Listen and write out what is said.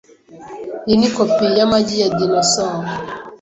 Iyi ni kopi yamagi ya dinosaur .